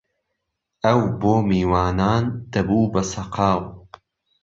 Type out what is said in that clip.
ئەو بۆ میوانان دهبوو به سهقاو